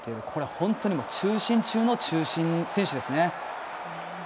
本当に中心中の中心選手です。